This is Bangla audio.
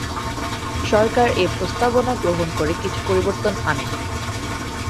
সরকার এ প্রস্তাবনা গ্রহণ করে কিছু পরিবর্তন আনে।